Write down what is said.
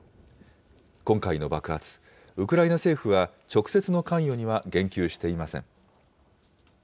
今回の爆発、ウクライナ政府は、直接の関与には言及していません。